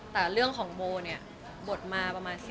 แต่เรื่องของโบเนี่ยบทมาประมาณ